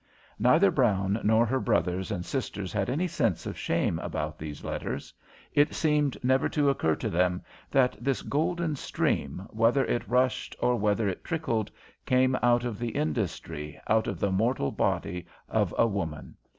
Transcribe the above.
Neither Brown nor her brothers and sisters had any sense of shame about these letters. It seemed never to occur to them that this golden stream, whether it rushed or whether it trickled, came out of the industry, out of the mortal body of a woman.